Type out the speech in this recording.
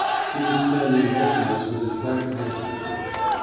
He was standing motionless with his back against a tree.